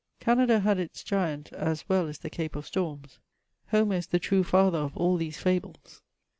Canada had its giant as well as the Cape of Storms. Homer is the true father of all these fables.